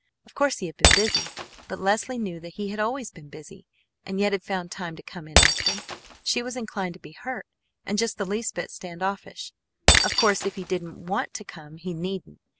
Of course he had been busy, but Leslie knew that he had always been busy, and yet had found time to come in often. She was inclined to be hurt and just the least bit stand offish. Of course if he didn't want to come he needn't!